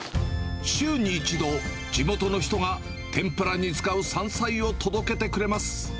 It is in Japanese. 週に１度、地元の人が天ぷらに使う山菜を届けてくれます。